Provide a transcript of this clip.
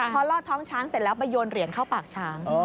พอลอดท้องช้างเสร็จแล้วไปโยนเหรียญเข้าปากช้าง